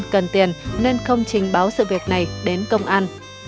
cần tiền nên không trình báo sự việc này đến công an